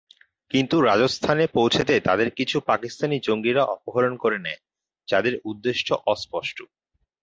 কিন্তু রাজস্থানে পৌঁছাতে তাদের কিছু পাকিস্তানি জঙ্গিরা অপহরণ করে নেয় যাদের উদ্দেশ্য অস্পষ্ট।